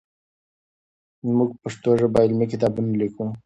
موږ په پښتو ژبه علمي کتابونه لیکو.